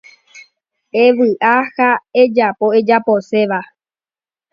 Evy'a ha ejapo ejaposéva.